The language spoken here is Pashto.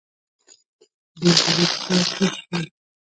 بې سړي کور تش وي